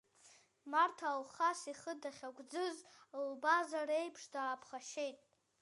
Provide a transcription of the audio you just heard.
Марҭа Алхас ихы дахьагәӡыз лбазар еиԥш дааԥхашьеит.